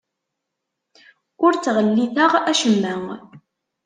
Ur ttɣelliteɣ acemma.